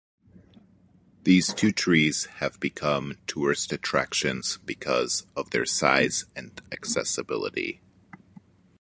These two trees have become tourist attractions because of their size and accessibility.